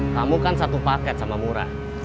tamu kan satu paket sama murah